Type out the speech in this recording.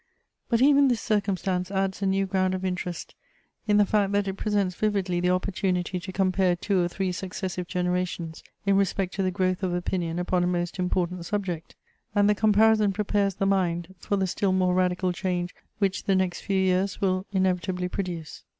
But even this cir cumstance adds a new ground of interest in the fact that it presents vividly the opportunity to compare two or three successive generations in respect to the growth of opinion upon a most important subject, and the comparison prepares the mind for the still Inteoduction. vii more radical change which the next few years will inevitably produce.